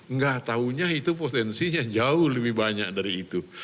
nggak tahunya itu potensinya jauh lebih banyak dari itu